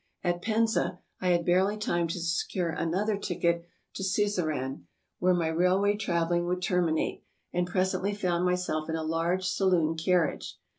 At Penza I had barely time to secure another ticket on to Sizeran, where my railway traveling would terminate, and presently found myself in a large saloon carriage.